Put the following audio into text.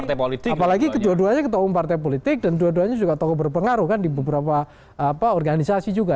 apalagi kedua duanya ketua umum partai politik dan dua duanya juga tokoh berpengaruh kan di beberapa organisasi juga